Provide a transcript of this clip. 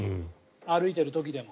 歩いてる時でも。